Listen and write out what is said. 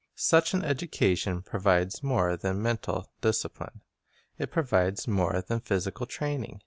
Such an education provides more than mental dis character cipline; it provides more than physical training.